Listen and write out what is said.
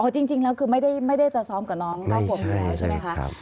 อ๋อจริงแล้วคือไม่ได้จะซ้อมกับน้องผมแหละใช่ไหมคะ